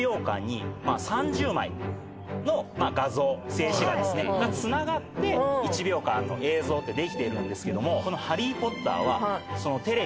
静止画がつながって１秒間の映像ってできているんですけどもこのハリー・ポッターは。